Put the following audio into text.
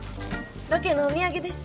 ロケのお土産です。